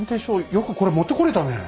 よくこれ持ってこれたねえ。